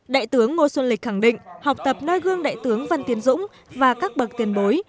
đại tướng ngô xuân lịch khẳng định học tập nơi gương đại tướng văn tiến dũng và các bậc tiền bối